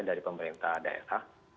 dari pemerintah daerah